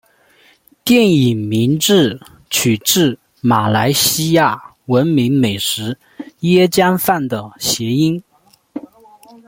电影名字取自马来西亚闻名美食椰浆饭的谐音。